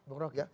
bapak rok ya